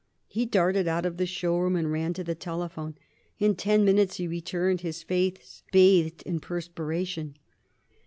He darted out of the show room and ran to the telephone. In ten minutes he returned, his face bathed in perspiration.